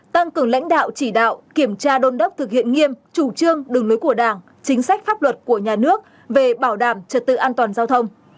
tăng cường lãnh đạo chỉ đạo kiểm tra đôn đốc thực hiện nghiêm chủ trương đường lối của đảng chính sách pháp luật của nhà nước về bảo đảm trật tự an toàn giao thông